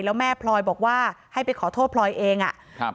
แล้วแม่พลอยบอกว่าให้ไปขอโทษพลอยเองอ่ะครับ